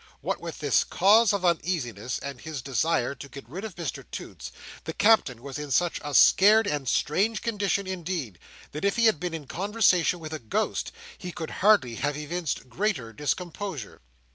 What with this cause of uneasiness, and his desire to get rid of Mr Toots, the Captain was in such a scared and strange condition, indeed, that if he had been in conversation with a ghost, he could hardly have evinced greater discomposure.